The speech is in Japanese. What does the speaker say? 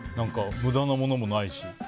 無駄なものもないし。